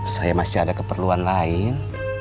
saya masih ada keperluan lain